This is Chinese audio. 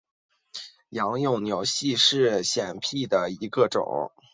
仰叶拟细湿藓为柳叶藓科拟细湿藓下的一个种。